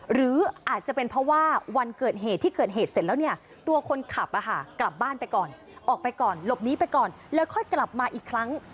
หรืออาจจะเป็นเพราะว่าวันเกิดเหตุที่เกิดเหตุเสร็จแล้วเนี่ยตัวคนขับกลับบ้านไปก่อนออกไปก่อนหลบหนีไปก่อนแล้วค่อยกลับมาอีกครั้ง